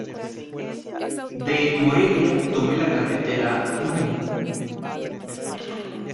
De Morelia tome la carretera núm.